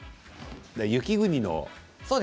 雪国の。